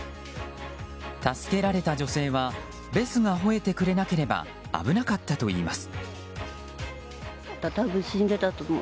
助けられた女性はベスが吠えてくれなければ危なかったといいます。